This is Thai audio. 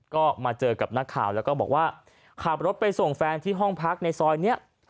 ก็มาเจอกับนักข่าวแล้วก็บอกว่าขับรถไปส่งแฟนที่ห้องพักในซอยนี้